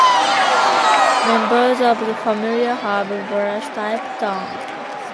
Members of the family have a brush-tipped tongue.